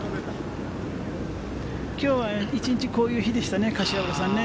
きょうは１日こういう日でしたね、柏原さんね。